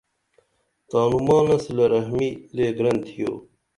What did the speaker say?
تانوں مانہ صلہ رحمی لے گرن تِھیو